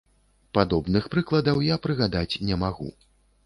Падобных прыкладаў я прыгадаць не магу.